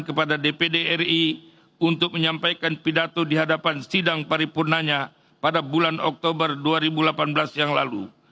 kepada dpd ri untuk menyampaikan pidato di hadapan sidang paripurnanya pada bulan oktober dua ribu delapan belas yang lalu